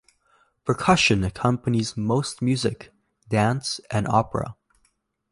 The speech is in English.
Percussion accompanies most music, dance and opera.